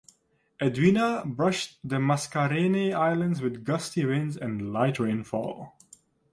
Edwina brushed the Mascarene Islands with gusty winds and light rainfall.